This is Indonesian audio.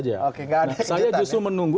gak ada yang cukup bagus